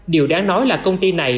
điều đáng nói là công ty này